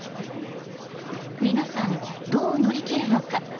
皆さんどう乗り切るのか。